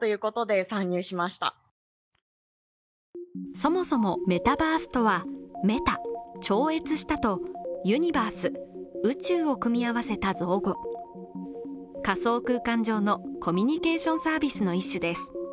そもそもメタバースとはメタ超越したとユニバース「宇宙」を組み合わせた造語仮想空間上のコミュニケーションサービスの一種です。